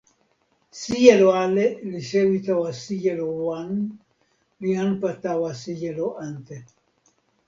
sijelo ale li sewi tawa sijelo wan, li anpa tawa sijelo ante.